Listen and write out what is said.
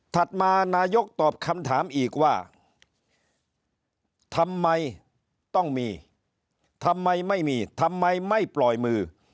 มานายกตอบคำถามอีกว่าทำไมต้องมีทำไมไม่มีทำไมไม่ปล่อยมือ